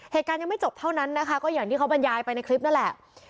เหตุการณ์ยังไม่จบเท่านั้นนะคะก็อย่างที่เขาบรรยายไปในคลิปนั่นแหละ